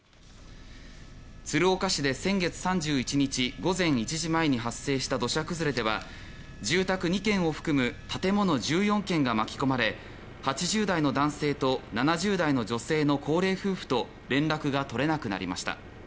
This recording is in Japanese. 鶴岡市で先月３１日午前１時前に発生した土砂崩れでは住宅２軒を含む建物１４軒が巻き込まれ８０代の男性と７０代の女性の高齢夫婦と連絡が取れなくなりました。